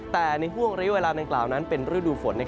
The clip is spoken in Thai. แต่ในห่วงระยุไว้เวลาต่างนั้นเป็นฤดูฝน